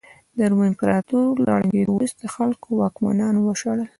د روم امپراتورۍ له ړنګېدو وروسته خلکو واکمنان وشړل